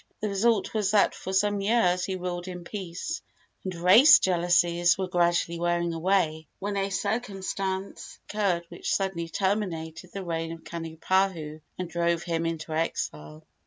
The result was that for some years he ruled in peace, and race jealousies were gradually wearing away, when a circumstance occurred which suddenly terminated the reign of Kanipahu and drove him into exile.